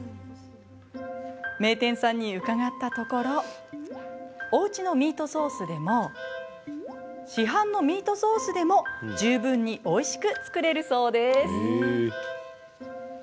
名店さんに伺ったところおうちのミートソースでも市販のミートソースでも十分においしく作れるそうです。